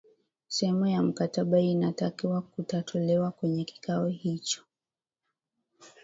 sehemu ya mkataba inatakiwa kutatuliwa kwenye kikao hicho